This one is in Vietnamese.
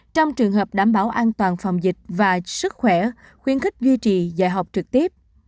trong trường hợp đảm bảo an toàn phòng dịch và sức khỏe khuyến khích duy trì dạy học trực tiếp